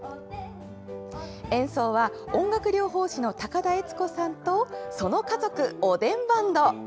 演奏は、音楽療法士の高田悦子さんとその家族、おでんバンド。